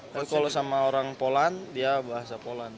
tapi kalau sama orang polan dia bahasa polan